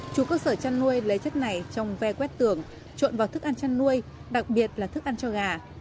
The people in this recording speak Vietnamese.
chủ cơ sở chăn nuôi lấy chất này trong ve quét tường trộn vào thức ăn chăn nuôi đặc biệt là thức ăn cho gà